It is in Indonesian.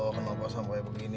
kenapa sampai begini